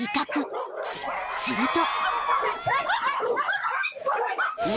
［すると］